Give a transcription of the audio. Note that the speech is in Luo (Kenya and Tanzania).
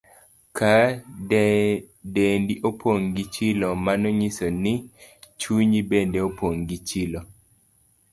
Ka dendi opong' gi chilo, mano nyiso ni chunyi bende opong' gi chilo.